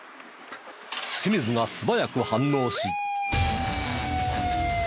清水が素早く反応し。